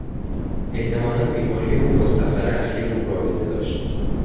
احتمالا بیماری او با سفر اخیر او رابطه داشت.